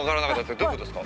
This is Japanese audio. どういうことですか？